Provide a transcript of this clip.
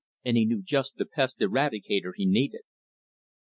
and he knew just the pest eradicator he needed....